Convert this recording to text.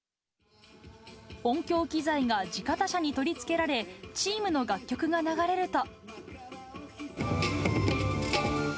音響機材が地方車に取り付けられ、チームの楽曲が流れると。